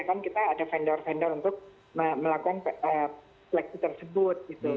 kan kita ada vendor vendor untuk melakukan seleksi tersebut